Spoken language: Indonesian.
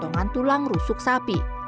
bersama dengan tulang rusuk sapi